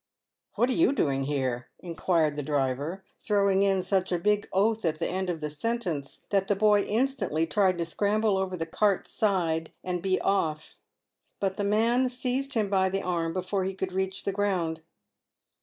" "What are you doing there ?" inquired the driver, throwing in such a big oath at the end of the sentence, that the boy instantly tried to scramble "over the cart's side and be off. But the man seized him by the arm before he could reach the ground.